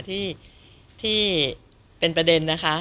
ที่เป็นประเด็นนะคะ